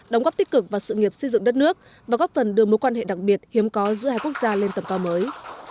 đóng góp tích cực vào sự nghiệp xây dựng đất nước và góp phần đưa mối quan hệ đặc biệt hiếm có giữa hai quốc gia lên tầm to mới